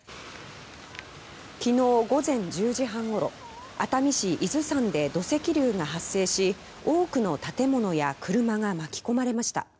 昨日午前１０時半ごろ熱海市伊豆山で土石流が発生し多くの建物や車が巻き込まれました。